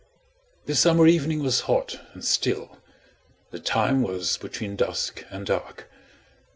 The summer evening was hot and still; the time was between dusk and dark.